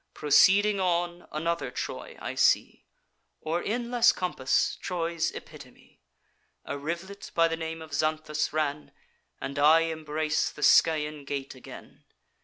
Proceeding on, another Troy I see, Or, in less compass, Troy's epitome. A riv'let by the name of Xanthus ran, And I embrace the Scaean gate again.